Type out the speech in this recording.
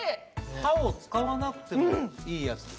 歯を使わなくてもいいやつですね。